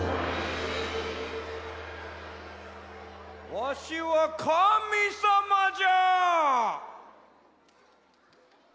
わしはかみさまじゃ！